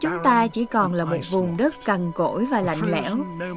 chúng ta chỉ còn là một vùng đất cằn cổi và lạnh lẽo